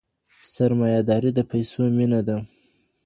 سرمایه داري د پیسو مینه ده.